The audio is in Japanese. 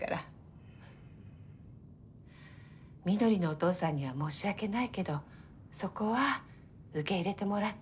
翠のお父さんには申し訳ないけどそこは受け入れてもらった。